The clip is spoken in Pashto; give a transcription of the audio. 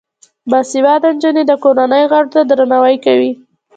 باسواده نجونې د کورنۍ غړو ته درناوی کوي.